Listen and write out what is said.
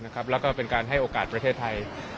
แล้วก็เป็นการให้โอกาสประเทศไทย